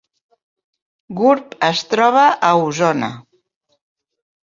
Gurb es troba a Osona